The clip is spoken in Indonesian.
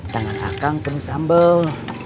tangan akang penuh sambel